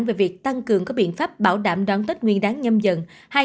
về việc tăng cường các biện pháp bảo đảm đón tết nguyên đáng nhâm dần hai nghìn hai mươi